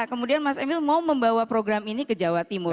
kemudian mas emil mau membawa program ini ke jawa timur